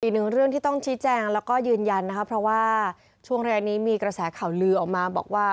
อีกหนึ่งเรื่องที่ต้องชี้แจงแล้วก็ยืนยันนะคะเพราะว่าช่วงระยะนี้มีกระแสข่าวลือออกมาบอกว่า